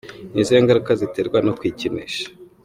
Ni izihe ngaruka ziterwa no kwikinisha?.